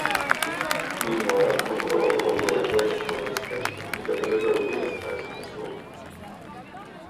Meanwhile, Hogofogo waits for his henchmen to deliver Winnifred to his room.